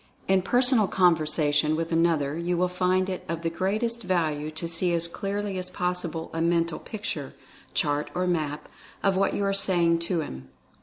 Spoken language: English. In personal conversation with another you will find it of the greatest value to see as clearly as possible a mental picture, chart or map, of what you are saying to him.